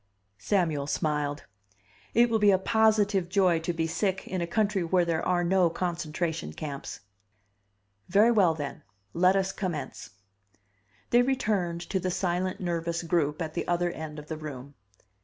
Samuel smiled. "It will be a positive joy to be sick in a country where there are no concentration camps!" "Very well, then. Let us commence." They returned to the silent, nervous group at the other end of the room.